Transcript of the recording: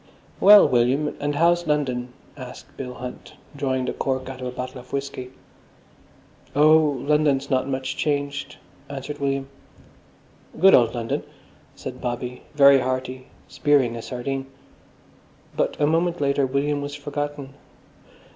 "Well, William, and how's London?" asked Bill Hunt, drawing the cork out of a bottle of whisky. "Oh, London's not much changed," answered William. "Good old London," said Bobby, very hearty, spearing a sardine. But a moment later William was forgotten.